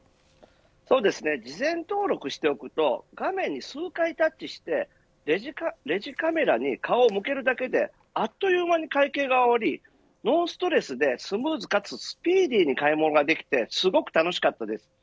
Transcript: そうですね、事前登録しておくと画面に数回タッチしてレジカメラに顔を向けるだけであっという間に会計が終わりノンストレスでスムーズかつスピーディーに買い物ができてすごく楽しかったです。